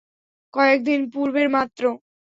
কয়েকদিন পূর্বের মাত্র।